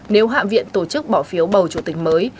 nếu hạ viện tổ chức bỏ phiếu bầu chủ tịch mới